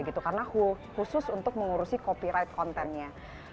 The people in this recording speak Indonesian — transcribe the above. karena khusus untuk mengurusi copyright kontennya